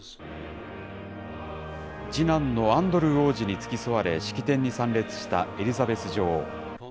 次男のアンドルー王子に付き添われ、式典に参列したエリザベス女王。